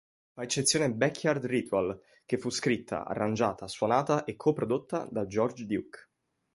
Fa eccezione "Backyard Ritual", che fu scritta, arrangiata, suonata e co-prodotta da George Duke.